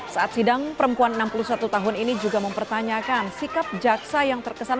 saat sidang perempuan enam puluh satu tahun ini juga mempertanyakan sikap jaksa yang terkesan